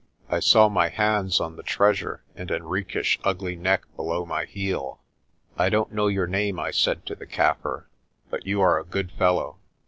I saw my hands on the treasure and Henriques' ugly neck below my heel. "I don't know your name," I said to the Kaffir, "but you are a good fellow.